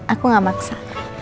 aku gak maksa